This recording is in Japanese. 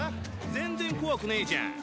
全然怖くねーじゃん。